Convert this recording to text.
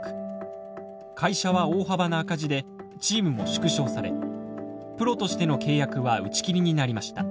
会社は大幅な赤字でチームも縮小されプロとしての契約は打ち切りになりました。